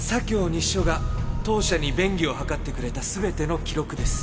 西署が当社に便宜を図ってくれた全ての記録です。